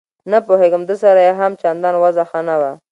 نه پوهېږم ده سره یې هم چندان وضعه ښه نه وه.